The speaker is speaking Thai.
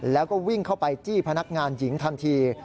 แล้วก็วิ่งเข้าไปจี้พนักงานหญิงทันที